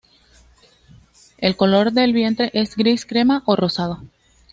El color del vientre es gris, crema o rosado.